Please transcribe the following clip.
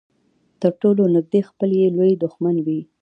تر ټولو نږدې خپل يې لوی دښمن وي.